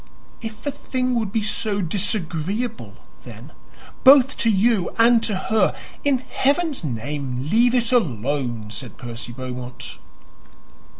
"If the thing would be so disagreeable, then, both to you and to her, in Heaven's name leave it alone," said Percy Beaumont.